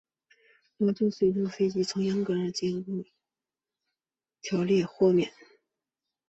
老旧的水上飞机可从严格的结构监管条例豁免。